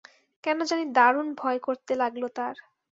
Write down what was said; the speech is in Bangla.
কেন জানি দারুণ ভয় করতে লাগল তার।